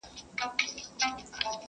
ځکه پاته جاویدانه افسانه سوم,